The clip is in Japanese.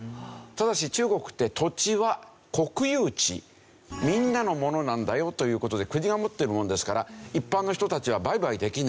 ただし中国って土地は国有地みんなのものなんだよという事で国が持ってるもんですから一般の人たちは売買できない。